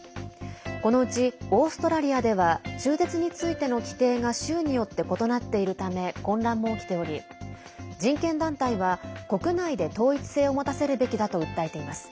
このうち、オーストラリアでは中絶についての規定が州によって異なっているため混乱も起きており人権団体は国内で統一性を持たせるべきだと訴えています。